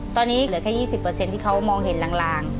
ตอนนี้เหลือแค่๒๐ที่เขามองเห็นลาง